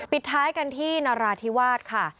ปิดท้ายกันที่นราธิวาสค่ะ